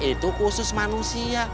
itu khusus manusia